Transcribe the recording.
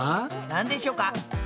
なんでしょうか？